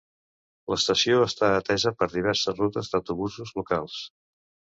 L'estació està atesa per diverses rutes d'autobusos locals.